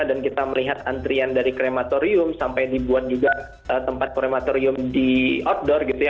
dan kita melihat antrian dari krematorium sampai dibuat juga tempat krematorium di outdoor gitu ya